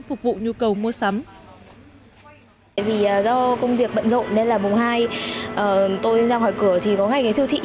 phục vụ nhu cầu mua sắm do công việc bận rộn nên là mùa hai tôi ra khỏi cửa thì có ngay cái siêu thị